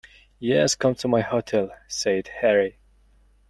"Yes; come to my hotel," said Harry.